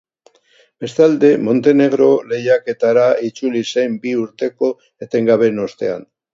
Bestalde, Montenegro lehiaketara itzuli zen bi urteko eten baten ostean.